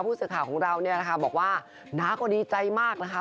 ผู้สื่อข่าวของเราเนี่ยนะคะบอกว่าน้าก็ดีใจมากนะคะ